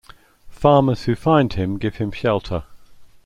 Farmers who find him give him shelter.